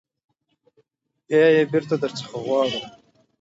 بیا یې بیرته در څخه غواړو.